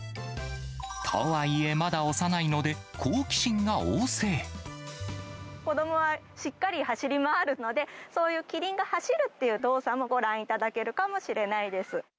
とはいえ、まだ幼いので、子どもはしっかり走り回るので、そういうキリンが走るっていう動作も、ご覧いただけるかもしれないです。